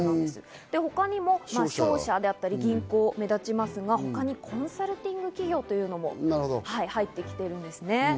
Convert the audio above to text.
他にも商社だったり、銀行が目立ちますが、さらにコンサルティング企業も入ってきていますね。